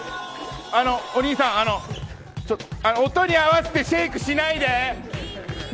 お兄さん、音に合わせてシェイクしないで！